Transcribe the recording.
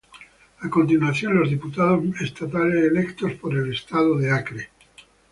A continuación los diputados estatales electos por el estado de Acre.